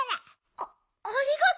あありがとう